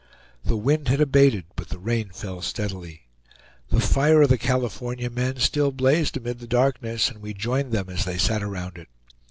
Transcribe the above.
The wind had abated, but the rain fell steadily. The fire of the California men still blazed amid the darkness, and we joined them as they sat around it.